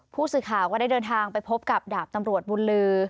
ผู้สื่อข่าวก็ได้เดินทางไปพบกับดาบตำรวจบุญลือ